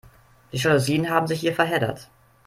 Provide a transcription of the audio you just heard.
Die Jalousien haben sich hier verheddert.